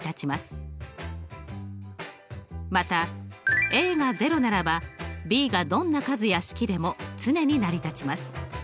またＡが０ならばＢがどんな数や式でも常に成り立ちます。